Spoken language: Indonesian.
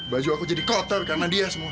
baju aku jadi kotor karena dia semua